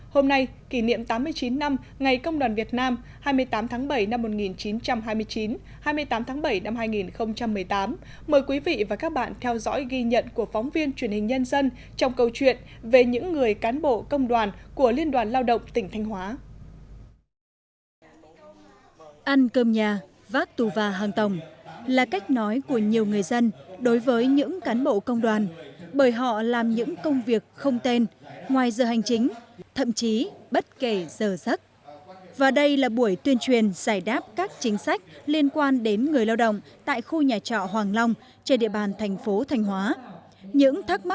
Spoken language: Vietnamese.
hôm nay kỷ niệm tám mươi chín năm ngày công đoàn việt nam hai mươi tám tháng bảy năm một nghìn chín trăm hai mươi chín hai mươi tám tháng bảy năm hai nghìn một mươi tám mời quý vị và các bạn theo dõi ghi nhận của phóng viên truyền hình nhân dân trong câu chuyện về những người cán bộ công đoàn của liên đoàn lao động tỉnh thanh hóa